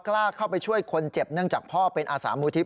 กล้าเข้าไปช่วยคนเจ็บเนื่องจากพ่อเป็นอาสามูลทิพ